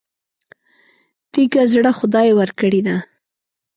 تېږه زړه خدای ورکړی دی.